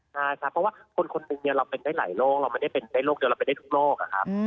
ใช่ครับเพราะว่าคนคนหนึ่งเราเป็นได้หลายโรคเราไม่ได้เป็นได้โคเดียวเราเป็นได้ทุกโรคอะครับ